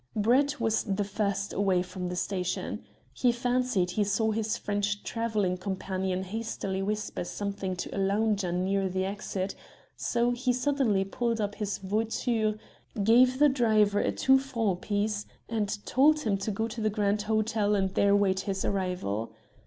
Brett was the first away from the station. He fancied he saw his French travelling companion hastily whisper something to a lounger near the exit, so he suddenly pulled up his voiture, gave the driver a two franc piece and told him to go to the Grand Hotel and there await his arrival.